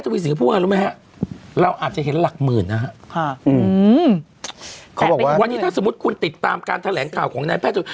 วันนี้ถ้าสมมติคุณติดตามการแถลงกล่าวของนายแพทย์สิน